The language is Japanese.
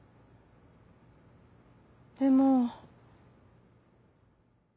「でも」。